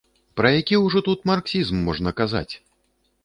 Пра які ўжо тут марксізм можна казаць?!